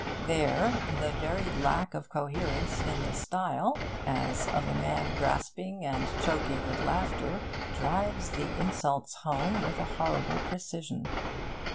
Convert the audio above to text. There the very lack of coherence in the style, as of a man gasping and choking with laughter, drives the insults home with a horrible precision.